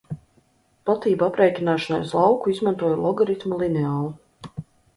Platību aprēķināšanai uz lauku izmantoju logaritmu lineālu.